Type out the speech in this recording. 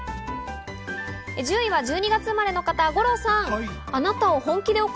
１０位は１２月生まれの方、五郎さん。